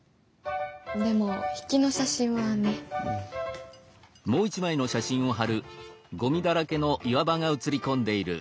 でも引きの写真はねっ？